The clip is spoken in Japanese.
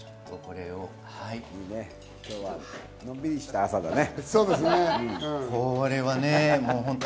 今日は、のんびりした朝だね。